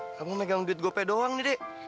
kamu megang duit gue pay doang nih deh